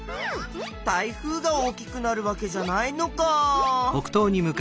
台風が大きくなるわけじゃないのか。